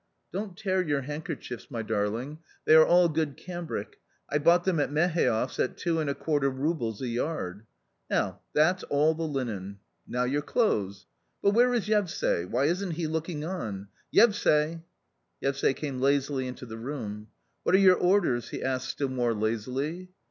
Don't tear your handkerchiefs, my darling; they are all good cambric. I bought them at Meheev's at two and a quarter roubles a yard. Now, that's all the linen. Now your clothes. But where is Yevsay ? Why isn't he looking on ? Yevsay !" Yevsay came lazily into the room. " What are your orders ?" he asked still more lazily.